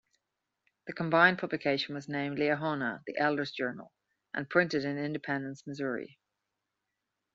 The combined publication was named "Liahona: The Elders' Journal" and printed in Independence, Missouri.